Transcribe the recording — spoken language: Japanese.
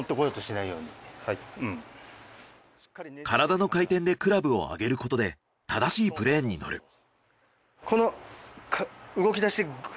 体の回転でクラブを上げることで正しいプレーンに乗る。